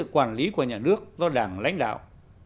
quản lý của nhà nước do đảng lãnh đạo